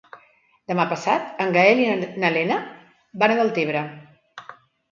Demà passat en Gaël i na Lena van a Deltebre.